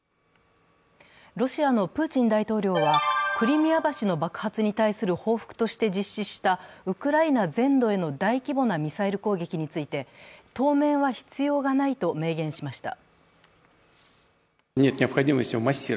ロシアのプーチン大統領はクリミア橋の爆発に対する報復として実施したウクライナ全土への大規模なミサイル攻撃について、当面は必要がないと明言しました。